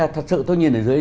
thật sự tôi nhìn ở dưới